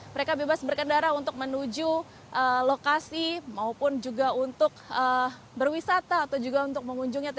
mereka bebas berkendara untuk menuju lokasi maupun juga untuk berwisata atau juga untuk mengunjungi